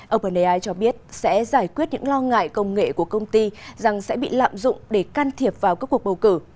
opernay cho biết sẽ giải quyết những lo ngại công nghệ của công ty rằng sẽ bị lạm dụng để can thiệp vào các cuộc bầu cử